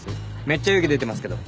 めっちゃ湯気出てますけど。